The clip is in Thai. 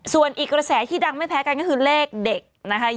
ส่วนอีกกระแสที่ดังไม่แพ้กันก็คือเลขเด็กนะคะ